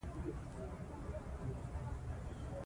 هغه د خپلو اتلانو په کړاوونو کې د پوهې لاره موندله.